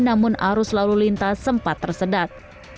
namun arus lalu lintas sempat tersedat